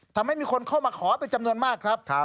ทำให้มีคนเข้ามาขอเป็นจำนวนมากครับ